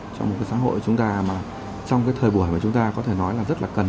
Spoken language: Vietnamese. trong một cái xã hội chúng ta mà trong cái thời buổi mà chúng ta có thể nói là rất là cần